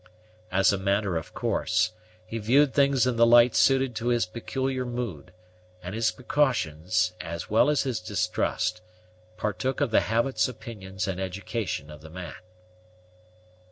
As a matter of course, he viewed things in the light suited to his peculiar mood; and his precautions, as well as his distrust, partook of the habits, opinions, and education of the man.